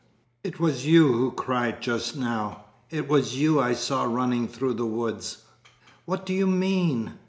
"It was you who cried just now? It was you I saw running through the woods?" "What do you mean?"